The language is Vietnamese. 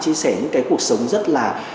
chia sẻ những cái cuộc sống rất là